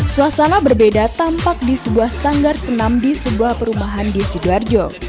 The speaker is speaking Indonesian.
suasana berbeda tampak di sebuah sanggar senam di sebuah perumahan di sidoarjo